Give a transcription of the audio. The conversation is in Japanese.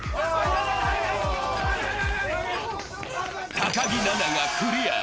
高木菜那がクリア。